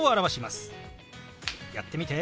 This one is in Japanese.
やってみて。